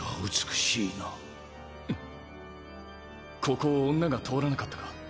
ここを女が通らなかったか？